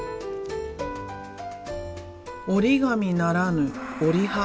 折り紙ならぬ折り葉。